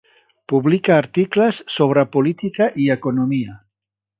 Publica articles sobre política i economia.